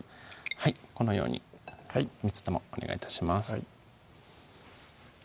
このように３つともお願い致します